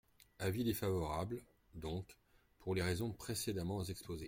Avis défavorable, donc, pour les raisons précédemment exposées.